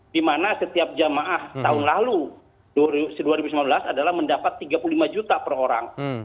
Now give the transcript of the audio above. dimana setiap jamaah tahun lalu se dua ribu sembilan belas adalah mendapat rp tiga puluh lima juta per orang